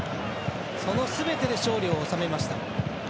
そのすべてで勝利を収めました。